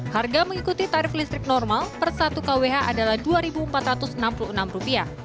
harga mengikuti tarif listrik normal per satu kwh adalah rp dua empat ratus enam puluh enam